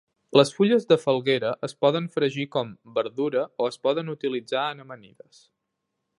Les fulles de falguera es poden fregir com "verdura" o es poden utilitzar en amanides.